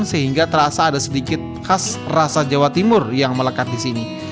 sehingga terasa ada sedikit khas rasa jawa timur yang melekat di sini